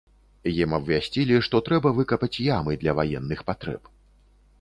Ім абвясцілі, што трэба выкапаць ямы для ваенных патрэб.